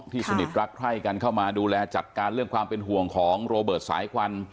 สนิทรักใคร่กันเข้ามาดูแลจัดการเรื่องความเป็นห่วงของโรเบิร์ตสายควัน